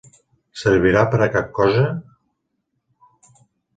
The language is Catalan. Servirà per a cap cosa?